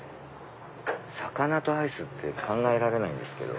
魚とアイスって考えられないんですけど。